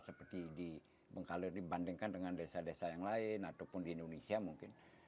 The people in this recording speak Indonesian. seperti di bengkaler dibandingkan dengan desa desa yang lain ataupun di indonesia mungkin